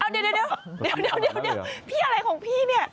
เดี๋ยวพี่อะไรของพี่เนี่ย